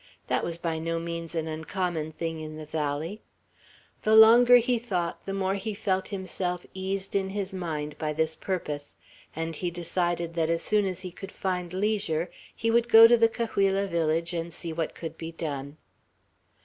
That was by no means an uncommon thing in the valley. The longer he thought, the more he felt himself eased in his mind by this purpose; and he decided that as soon as he could find leisure he would go to the Cahuilla village and see what could be done.